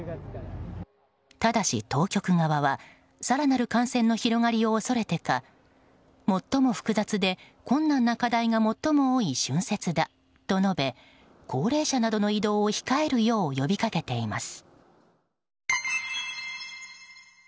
ただし、当局側は更なる感染の広がりを恐れてか最も複雑で困難な課題が最も多い春節だと述べ高齢者などの移動を控えるよう呼びかけています。